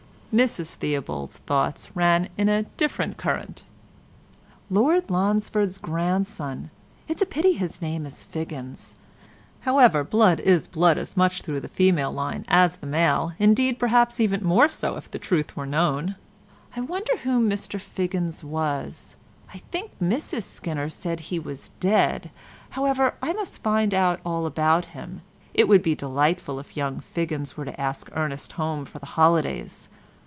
Mrs Theobald's thoughts ran in a different current. "Lord Lonsford's grandson—it's a pity his name is Figgins; however, blood is blood as much through the female line as the male, indeed, perhaps even more so if the truth were known. I wonder who Mr Figgins was. I think Mrs Skinner said he was dead, however, I must find out all about him. It would be delightful if young Figgins were to ask Ernest home for the holidays.